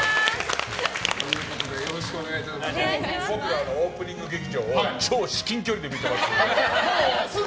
僕らオープニング劇場を超至近距離で見てました。